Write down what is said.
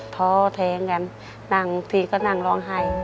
ท้อแทงกันนั่งทีก็นั่งร้องไห้